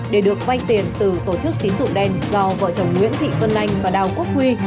để được vay tiền từ tổ chức tín dụng đen do vợ chồng nguyễn thị vân anh và đào quốc huy